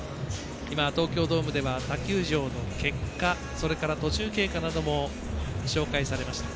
今、東京ドームでは他球場の結果それから途中経過なども紹介されました。